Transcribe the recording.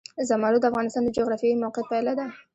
زمرد د افغانستان د جغرافیایي موقیعت پایله ده.